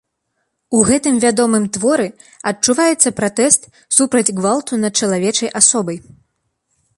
У гэтым вядомым творы адчуваецца пратэст супраць гвалту над чалавечай асобай.